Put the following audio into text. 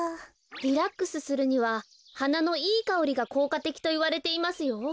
リラックスするにははなのいいかおりがこうかてきといわれていますよ。